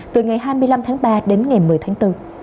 từ ngày hai mươi năm tháng ba đến ngày một mươi tháng bốn